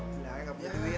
gak punya duit